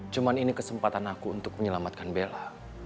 cuma ini kesempatan aku untuk menyelamatkan bella